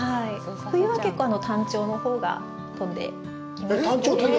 冬は結構タンチョウのほうが飛んできますので。